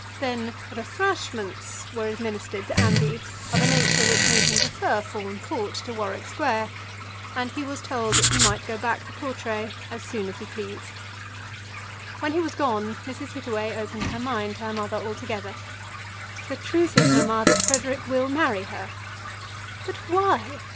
Then "rafrashments" were administered to Andy of a nature which made him prefer Fawn Court to Warwick Square, and he was told that he might go back to Portray as soon as he pleased. When he was gone, Mrs. Hittaway opened her mind to her mother altogether. "The truth is, mamma, that Frederic will marry her." "But why?